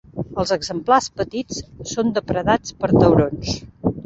Els exemplars petits són depredats per taurons.